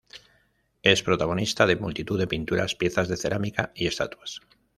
Es protagonista de multitud de pinturas, piezas de cerámica y estatuas.